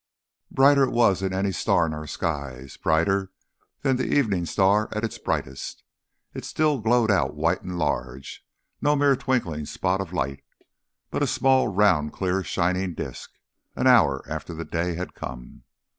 Brighter it was than any star in our skies; brighter than the evening star at its brightest. It still glowed out white and large, no mere twinkling spot of light, but a small round clear shining disc, an hour after the day had come.